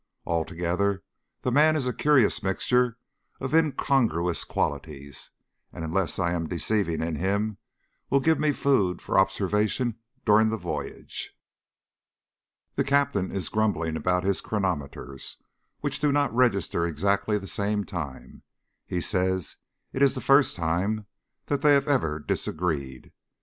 Altogether, the man is a curious mixture of incongruous qualities, and unless I am deceived in him will give me food for observation during the voyage. The Captain is grumbling about his chronometers, which do not register exactly the same time. He says it is the first time that they have ever disagreed.